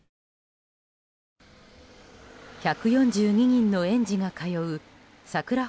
１４２人の園児が通うさくら